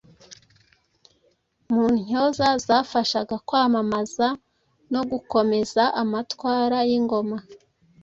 Mu ntyoza zafashaga kwamamaza no gukomeza amatwara y’ingoma